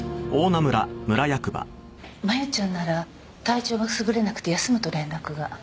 麻由ちゃんなら体調がすぐれなくて休むと連絡が。